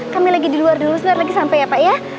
kami lagi di luar dulu sebentar lagi sampai ya pak ya